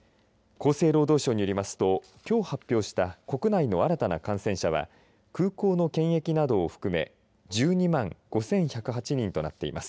厚生労働省によりますときょう発表した国内の新たな感染者は空港の検疫などを含め１２万５１０８人となっています。